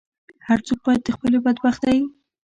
هر څوک باید د خپلې بدبختۍ.